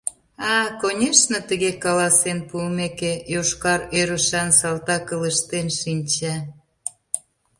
— А, конешне, тыге каласен пуымеке! — йошкар ӧрышан салтак ылыжтен шинча.